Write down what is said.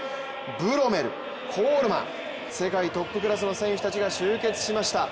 ブロメル、コールマン世界トップクラスの選手たちが集結しました。